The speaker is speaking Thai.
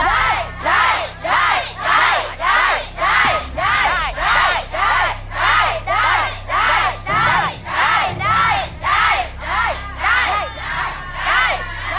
ได้